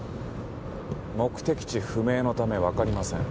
目的地不明のためわかりません。